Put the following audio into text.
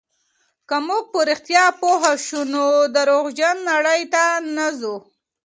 که موږ په رښتیا پوه شو، نو درواغجنې نړۍ ته نه ځو.